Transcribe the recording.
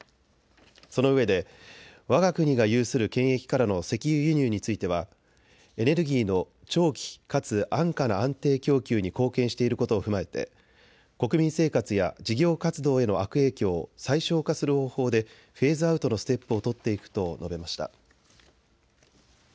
そのうえでわが国が有する権益からの石油輸入についてはエネルギーの長期かつ安価な安定供給に貢献していることを踏まえて国民生活や事業活動への悪影響を最小化する方法でフェーズアウトのステップを取っていくと述べました。